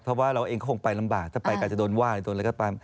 เพราะว่าเราเองก็คงไปลำบากถ้าไปก็อาจจะโดนว่าโดนอะไรก็เปล่า